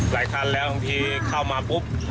หลายคันแล้วทางที่เข้ามาปุ๊บ